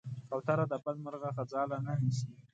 کوتره د بل مرغه ځاله نه نیسي.